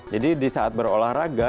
jadi di saat berolahraga